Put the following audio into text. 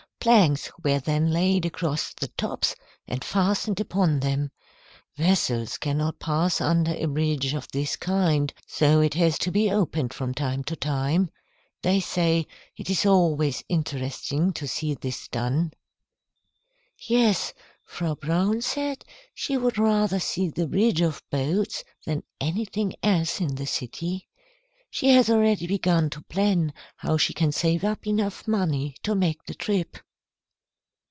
Planks were then laid across the tops and fastened upon them. Vessels cannot pass under a bridge of this kind, so it has to be opened from time to time. They say it is always interesting to see this done." "Yes, Frau Braun said she would rather see the bridge of boats than anything else in the city. She has already begun to plan how she can save up enough money to make the trip."